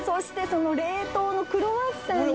その冷凍のクロワッサンに・